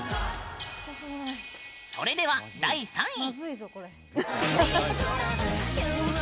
それでは第３位！